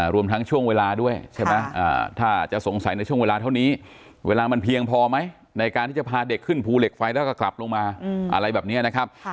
รวมทั้งช่วงเวลาด้วยใช่ไหมถ้าจะสงสัยในช่วงเวลาเท่านี้เวลามันเพียงพอไหมในการที่จะพาเด็กขึ้นภูเหล็กไฟแล้วก็กลับลงมาอะไรแบบนี้นะครับ